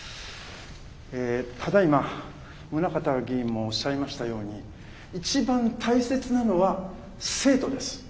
ええただいま宗形議員もおっしゃいましたように一番大切なのは生徒です。